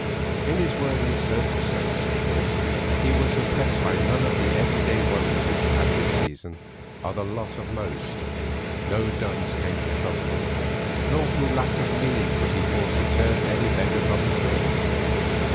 In his worldly circumstances of course he was oppressed by none of the everyday worries which at this season are the lot of most—no duns came to trouble him, nor through lack of means was he forced to turn any beggar from his door.